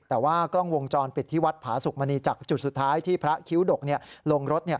แต่ว่ากล้องวงจรปิดที่วัดผาสุกมณีจากจุดสุดท้ายที่พระคิ้วดกลงรถ